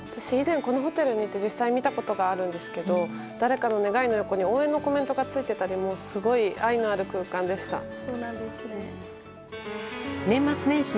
以前このホテルに行って実際に見たことがあるんですけど誰かの願いの横に応援のコメントがついていたりすごい愛のある空間でした。